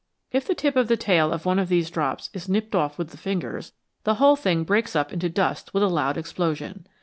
If the tip of the tail of one of these drops is nipped off with the fingers, the whole thing breaks up into dust with a loud explosion.